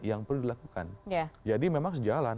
yang perlu dilakukan jadi memang sejalan